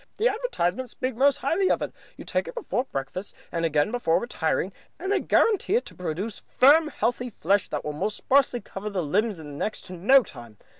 The advertisements speak most highly of it. You take it before breakfast and again before retiring, and they guarantee it to produce firm, healthy flesh on the most sparsely covered limbs in next to no time.